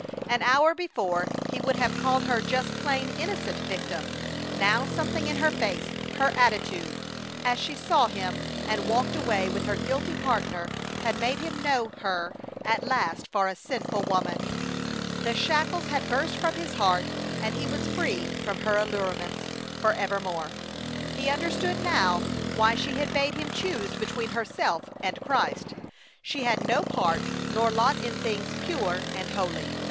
An hour before he would have called her just plain innocent victim. Now something in her face, her attitude, as she saw him and walked away with her guilty partner, had made him know her at last for a sinful woman. The shackles had burst from his heart and he was free from her allurements for evermore! He understood now why she had bade him choose between herself and Christ. She had no part nor lot in things pure and holy.